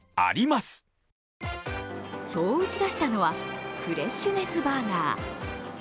そう打ち出したのはフレッシュネスバーガー。